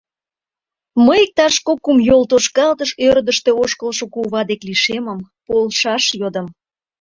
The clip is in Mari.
Мый иктаж кок-кум йолтошкалтыш ӧрдыжтӧ ошкылшо кува дек лишемым, полшаш йодым.